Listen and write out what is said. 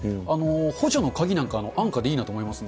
補助の鍵なんか、安価でいいなと思いますよね。